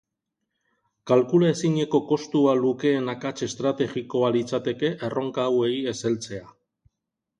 Kalkula ezineko kostua lukeen akats estrategikoa litzateke erronka hauei ez heltzea.